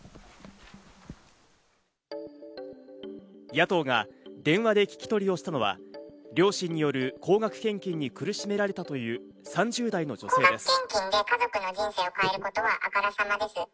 野党が電話で聞き取りをしたのは両親による高額献金に苦しめられたという３０代の女性です。